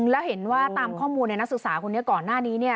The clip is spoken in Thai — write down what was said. แล้วเห็นว่าตามข้อมูลในนักศึกษาคนนี้ก่อนหน้านี้